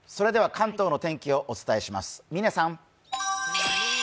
関東の天気をお伝えします。